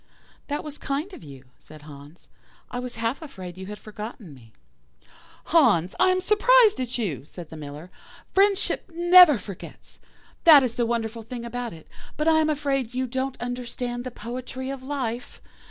"'That was kind of you,' said Hans; 'I was half afraid you had forgotten me.' "'Hans, I am surprised at you,' said the Miller; 'friendship never forgets. That is the wonderful thing about it, but I am afraid you don't understand the poetry of life.